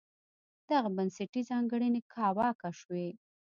دغه بنسټي ځانګړنې کاواکه شوې.